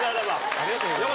ありがとうございます。